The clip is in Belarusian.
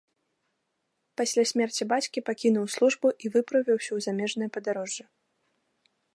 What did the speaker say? Пасля смерці бацькі пакінуў службу і выправіўся ў замежнае падарожжа.